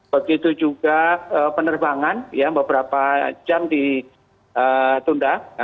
begitu juga penerbangan yang beberapa jam ditunda